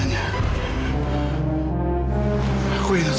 ini teman pramisi mas